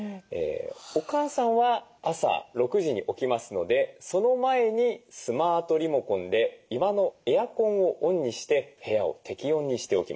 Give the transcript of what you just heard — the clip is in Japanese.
お母さんは朝６時に起きますのでその前にスマートリモコンで居間のエアコンをオンにして部屋を適温にしておきます。